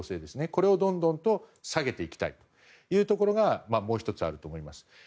これをどんどんと下げていきたいというところがもう１つあると思います。